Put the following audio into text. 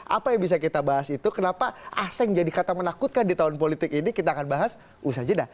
apa yang bisa kita bahas itu kenapa aseng jadi kata menakutkan di tahun politik ini kita akan bahas usaha jeda